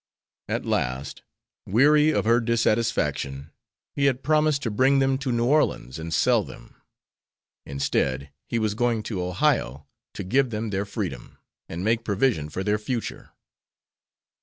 At last, weary of her dissatisfaction, he had promised to bring them to New Orleans and sell them. Instead, he was going to Ohio to give them their freedom, and make provision for their future."